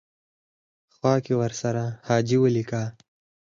خوا کې ورسره حاجي ولیکه.